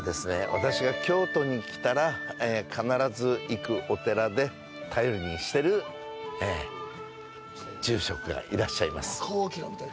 私が京都に来たら必ず行くお寺で頼りにしている住職がいらっしゃいます。